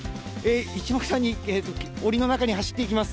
いちもくさんにおりの中に走っていきます。